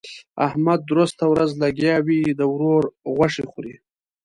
احمد درسته ورځ لګيا وي؛ د ورور غوښې خوري.